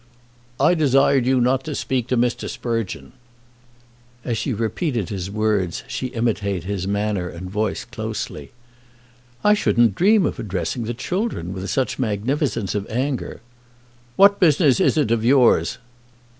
'I desired you not to speak to Mr. Sprugeon!'" As she repeated his words she imitated his manner and voice closely. "I shouldn't dream of addressing the children with such magnificence of anger. 'What business is it of yours?'